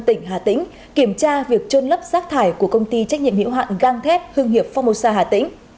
tỉnh hà tĩnh kiểm tra việc trôn lấp rác thải của công ty trách nhiệm hiệu hạn gang thép hương hiệp phong mô sa hà tĩnh